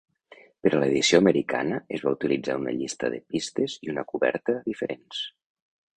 Per a l'edició americana es va utilitzar una llista de pistes i una coberta diferents.